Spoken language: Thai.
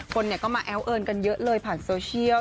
คนก็มาแอ้วเอิญกันเยอะเลยผ่านโซเชียล